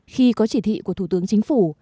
khi có chỉ thị của thủ tướng chính phủ